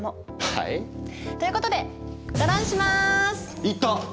はい？ということでドロンします！